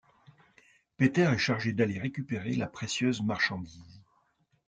Peter est chargé d'aller récupérer la précieuse marchandise.